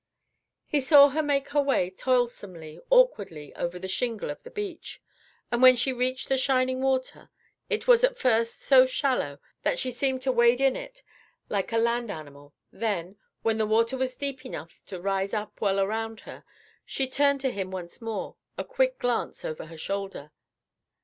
He saw her make her way toilsomely, awkwardly over the shingle of the beach; and when she reached the shining water, it was at first so shallow that she seemed to wade in it like a land animal, then, when the water was deep enough to rise up well around her, she turned to him once more a quick glance over her shoulder.